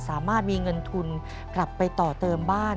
สามารถมีเงินทุนกลับไปต่อเติมบ้าน